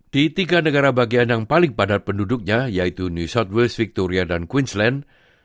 di tiga negara bagian yang paling padat penduduknya yaitu new southways victoria dan queensland